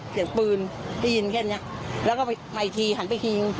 เรื่องเพราะว่าทางผู้หญิง